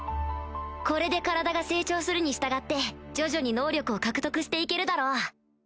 これで体が成長するに従って徐々に能力を獲得して行けるだろう